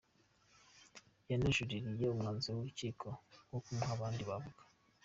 Yanajuririye umwanzuro w’urukiko wo kumuha abandi bavoka.